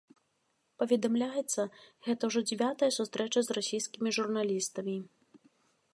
Паведамляецца, гэта ўжо дзявятая сустрэча з расійскімі журналістамі.